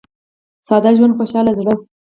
• ساده ژوند، خوشاله زړه.